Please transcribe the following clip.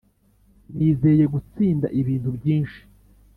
nizeye gutsinda ibintu byinshi